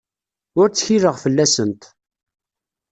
Ur ttkileɣ fell-asent.